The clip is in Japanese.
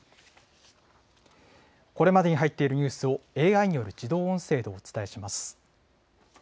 これまでに入っているニュースをＡＩによる自動音声でお伝えしま